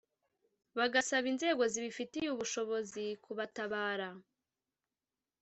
bagasaba inzego zibifitiye ubushobozi kubatabara